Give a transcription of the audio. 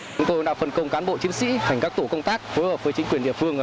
chúng tôi đã phân công cán bộ chiến sĩ thành các tổ công tác phối hợp với chính quyền địa phương